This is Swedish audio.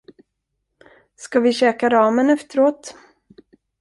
Ska vi käka ramen efteråt?